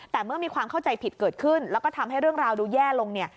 แต่เมื่อมีความเข้าใจผิดเกิดขึ้นแล้วก็ทำให้เรื่องราวดูแย่ลง